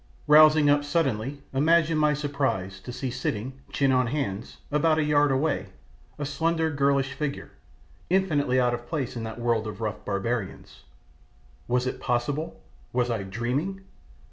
Rousing up suddenly, imagine my surprise to see sitting, chin on knees, about a yard away, a slender girlish figure, infinitely out of place in that world of rough barbarians. Was it possible? Was I dreaming?